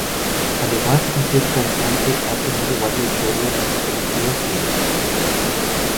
Además de ser cantante ha tenido varios roles en películas y en la televisión.